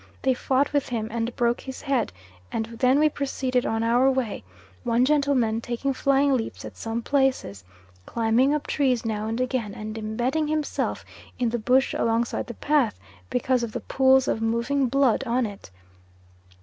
They fought with him, and broke his head, and then we proceeded on our way, one gentleman taking flying leaps at some places, climbing up trees now and again, and embedding himself in the bush alongside the path "because of the pools of moving blood on it."